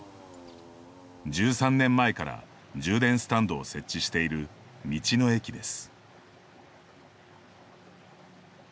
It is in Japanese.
１３年前から充電スタンドを設置している道の駅です。